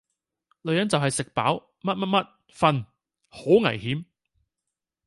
女人就系食飽、乜乜乜、瞓!好危險!